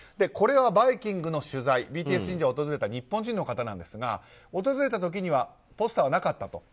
これは「バイキング」の取材ＢＴＳ神社を訪れた日本人の方なんですが訪れた時にはポスターはなかった。